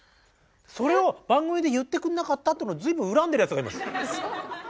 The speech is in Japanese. それを番組で言ってくんなかったっていうのを随分恨んでるやつがいます。